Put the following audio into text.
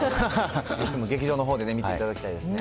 ぜひとも劇場のほうで見ていただきたいですね。